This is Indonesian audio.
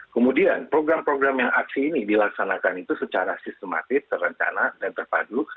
kemudian program program yang aksi ini dilaksanakan itu secara sistematis terencana dan terpadu